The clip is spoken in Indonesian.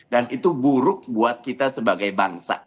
itu buruk buat kita sebagai bangsa